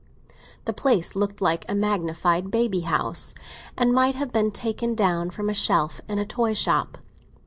The place looked like a magnified baby house, and might have been taken down from a shelf in a toy shop.